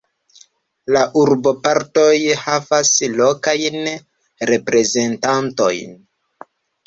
La urbopartoj havas lokajn reprezentantojn.